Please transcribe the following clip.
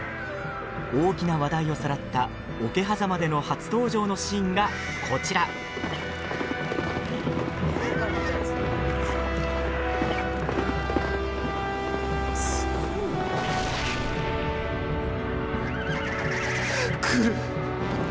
大きな話題をさらった桶狭間での初登場のシーンがこちら。来る。